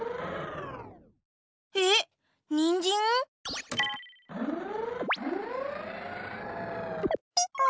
えっにんじん？ピポ。